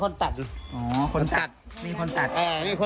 ไม่ออก